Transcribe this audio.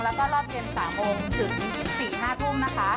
แล้วก็รอบเย็น๓โมงถึง๒๔๕ทุ่มนะคะ